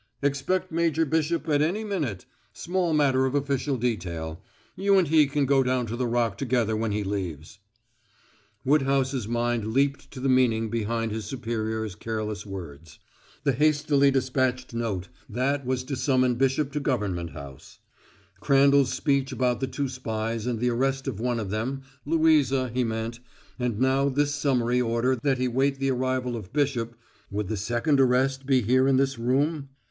"Expect Major Bishop in every minute small matter of official detail. You and he can go down the Rock together when he leaves." Woodhouse's mind leaped to the meaning behind his superior's careless words. The hastily despatched note that was to summon Bishop to Government House; Crandall's speech about the two spies and the arrest of one of them Louisa, he meant and now this summary order that he wait the arrival of Bishop would the second arrest be here in this room?